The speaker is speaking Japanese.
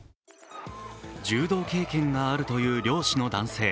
柔道経験があるという漁師の男性。